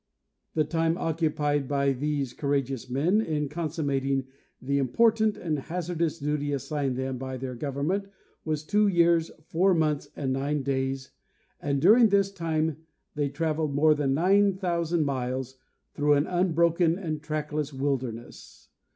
The time occupied by these courageous men in consummat ing the important and hazardous duty assigned them by their government was two years, four months and nine days, and during this time they traveled more than nine thousand miles through an unbroken and trackless wilderness.